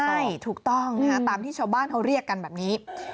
ใช่ถูกต้องนะฮะตามที่ชาวบ้านเขาเรียกกันแบบนี้